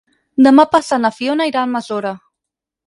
Demà passat na Fiona irà a Almassora.